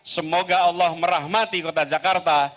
semoga allah merahmati kota jakarta